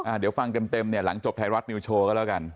เดี๋ยวฟังเต็มเต็มเนี่ยหลังจบไทยรัฐนิวโชว์ก็แล้วกัน